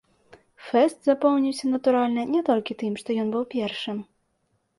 Фэст запомніўся, натуральна, не толькі тым, што ён быў першым.